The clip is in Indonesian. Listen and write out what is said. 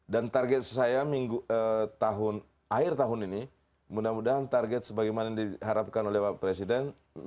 dan target saya akhir tahun ini mudah mudahan target sebagaimana diharapkan oleh pak presiden